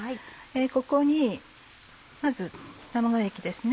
ここにまず卵液ですね。